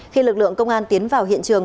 khi lực lượng công an tiến vào hiện trường